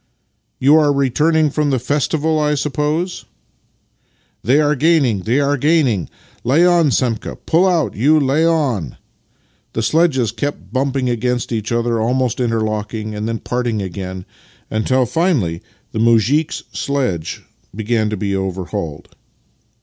" You are returning from the festival, I suppose? "" They are gaining, they are gaining! Lay on, Semka! Pull out, you! Lay on!" The sledges kept bumping against each other, almost interlocking, and then parting again, until finally the muzhik's sledge began to be overhauled.